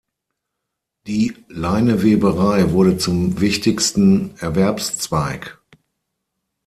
Die Leineweberei wurde zum wichtigsten Erwerbszweig.